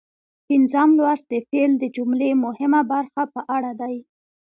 پنځم لوست د فعل د جملې مهمه برخه په اړه دی.